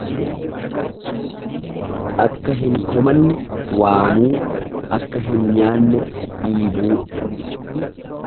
Akka hin komanne waamuu, akka hin nyaanne dhiibuu.